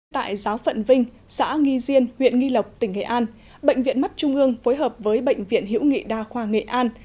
tại giáo phận vinh xã nghi diên huyện nghi lộc tỉnh nghệ an bệnh viện mắt trung ương phối hợp với bệnh viện hữu nghị đa khoa nghệ an